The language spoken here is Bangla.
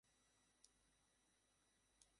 এক পিসও না।